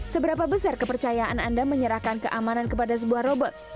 seberapa besar kepercayaan anda menyerahkan keamanan kepada sebuah robot